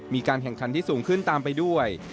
มีการแข่งขันที่สูงขึ้นตามไปด้วย